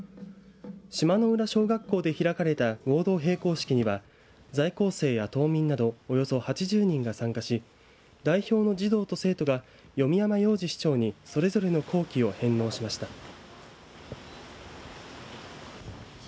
島野浦小学校で開かれた合同閉校式には在校生や島民などおよそ８０人が参加し代表の児童と生徒が読谷山洋司市長にそれぞれの校旗を返納しました。